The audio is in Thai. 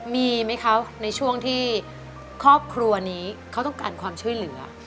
มีไหมคะในช่วงที่ครอบครัวนี้เขาต้องการความช่วยเหลือ